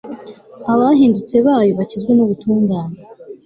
abahindutse bayo bakizwe n'ubutungane